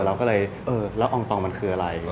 เราก็เลยเออแล้วอองตองมันคืออะไร